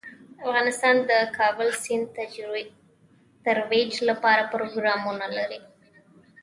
افغانستان د د کابل سیند د ترویج لپاره پروګرامونه لري.